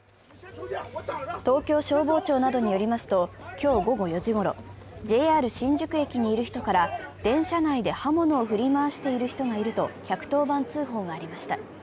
東京消防庁などによりますと、今日午後４時ごろ、ＪＲ新宿駅にいる人から、電車内で刃物を振り回している人がいると１１０番通報がありました。